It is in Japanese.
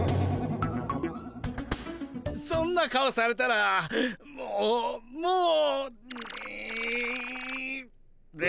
そんな顔されたらもうもうんんんべ。